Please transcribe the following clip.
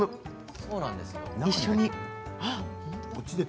一緒にね。